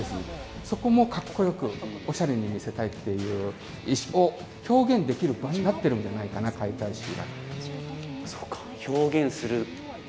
そこもかっこよくオシャレに見せたいっていう意思を表現できる場になってるんじゃないかな開会式が。